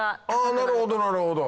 なるほどなるほど。